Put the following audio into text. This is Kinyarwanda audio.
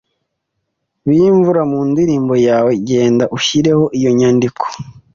Bimvura mu ndirimbo yawe, genda ushyireho iyo nyandiko